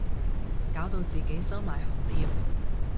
搞到自己收埋紅帖